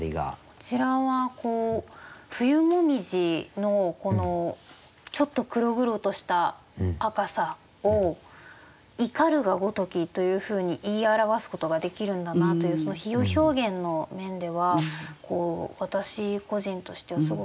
こちらはこう冬紅葉のちょっと黒々とした赤さを「怒るがごとき」というふうに言い表すことができるんだなというその比喩表現の面では私個人としてはすごく新鮮でした。